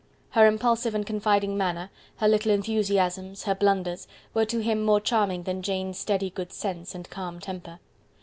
Her impulsive and confiding manner, her little enthusiasms, her blunders, were to him more charming than Jane's steady good sense and calm temper.